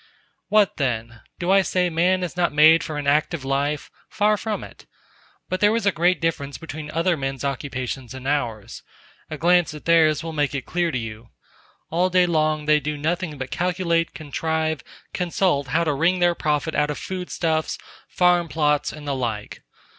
What then? do I say man is not made for an active life? Far from it! ... But there is a great difference between other men's occupations and ours. ... A glance at theirs will make it clear to you. All day long they do nothing but calculate, contrive, consult how to wring their profit out of food stuffs, farm plots and the like.